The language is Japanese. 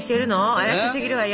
怪しすぎるわよ。